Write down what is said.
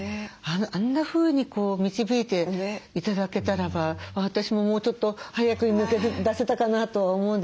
あんなふうに導いて頂けたらば私ももうちょっと早くに抜け出せたかなとは思うんですけども。